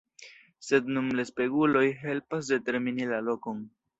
Sed nun la speguloj helpas determini la lokon.